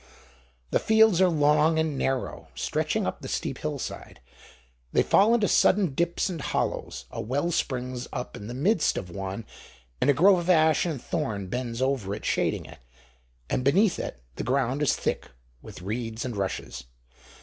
The fields are long and narrow, stretching up the steep hillside; they fall into sudden dips and hollows, a well springs up in the midst of one and a grove of ash and thorn bends over it, shading it; and beneath it the ground is thick with reeds and rushes.